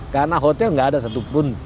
karena hotel gak ada satupun